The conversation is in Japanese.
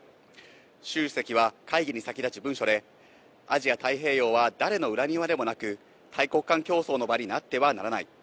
シュウ主席は会議に先立ち、文書で、アジア太平洋は誰の裏庭でもなく、大国間競争の場になってはならない。